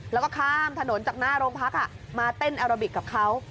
แล้วก็ข้ามถนนจากหน้าโรงพักมาเต้นแอโรบิกกับเขา